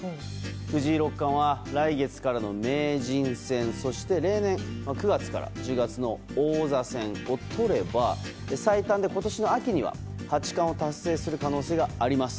藤井六冠は来月からの名人戦そして例年９月から１０月の王座戦をとれば最短で今年の秋には八冠を達成する可能性があります。